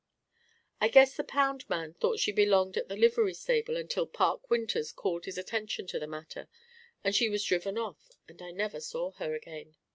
I guess the pound man thought she belonged at the livery stable until Park Winters called his attention to the matter, and she was driven off and I never saw her again.